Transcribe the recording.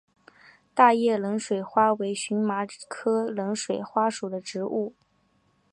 大叶冷水花为荨麻科冷水花属的植物。